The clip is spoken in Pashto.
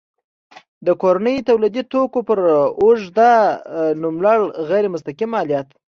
د کورنیو تولیدي توکو پر اوږده نوملړ غیر مستقیم مالیات.